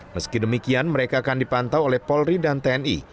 meski demikian mereka akan dipantau oleh polri dan tni